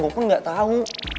gue pun gak tau